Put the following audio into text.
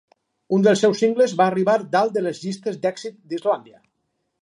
Un dels seus singles va arribar dalt de les llistes d'èxits d'Islàndia.